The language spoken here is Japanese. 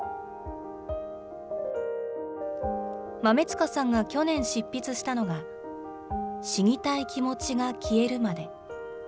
豆塚さんが去年執筆したのが、しにたい気持ちが消えるまで。